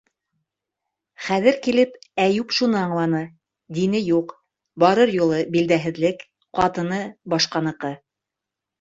Хәҙер килеп, Әйүп шуны аңланы: дине юҡ, барыр юлы - билдәһеҙлек, ҡатыны - башҡаныҡы.